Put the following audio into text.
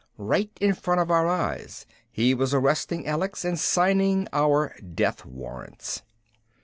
Right in front of our eyes he was arresting Alex and signing our death warrants.